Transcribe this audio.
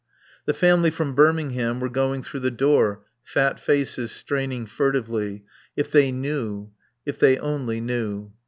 The family from Birmingham were going through the door; fat faces straining furtively. If they knew if they only knew.